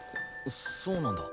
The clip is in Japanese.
そうなんだ。